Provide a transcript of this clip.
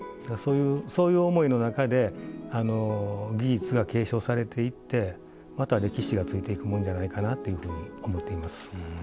そういう思いの中で技術が継承されていってまた歴史がついていくもんじゃないかなっていうふうに思っています。